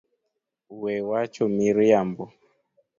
We wacho miriambo